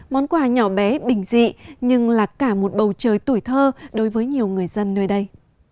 món quà nhỏ bé bình dị nhưng là cả một bầu trời tuổi thơ đối với nhiều người dân nơi đây